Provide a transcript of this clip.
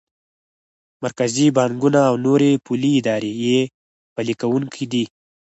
مرکزي بانکونه او نورې پولي ادارې یې پلي کوونکی دي.